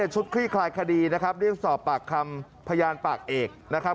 คลี่คลายคดีนะครับเรียกสอบปากคำพยานปากเอกนะครับ